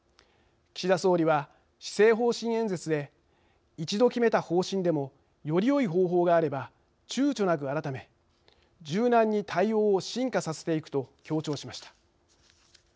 岸田総理は、施政方針演説で一度決めた方針でもよりよい方法があればちゅうちょなく改め柔軟に対応を進化させていくと強調しました。